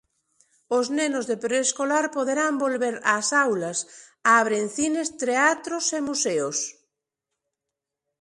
Os nenos de preescolar poderán volver ás aulas, abren cines, teatros e museos.